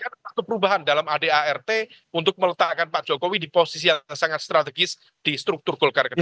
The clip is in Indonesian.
ada satu perubahan dalam adart untuk meletakkan pak jokowi di posisi yang sangat strategis di struktur golkar ke depan